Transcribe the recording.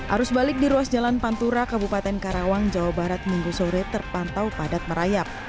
arus balik di ruas jalan pantura kabupaten karawang jawa barat minggu sore terpantau padat merayap